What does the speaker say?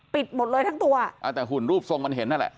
หมดเลยทั้งตัวอ่าแต่หุ่นรูปทรงมันเห็นนั่นแหละ